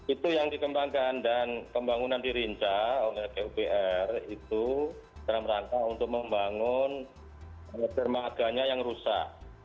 itu yang dikembangkan dan pembangunan dirinca oleh pupr itu dalam rangka untuk membangun dermaganya yang rusak